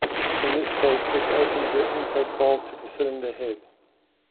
In this case this opens the intake valve to the cylinder head.